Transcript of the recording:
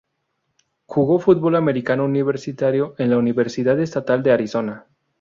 Jugó fútbol americano universitario en la Universidad Estatal de Arizona.